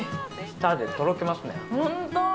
舌でとろけますねホント？